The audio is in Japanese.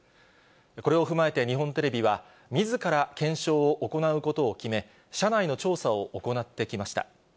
これを踏まえて、日本テレビは、みずから検証を行うことを決め、社内の調査を行ってきました。